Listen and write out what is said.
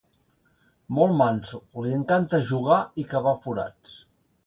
Molt manso, li encanta jugar i cavar forats.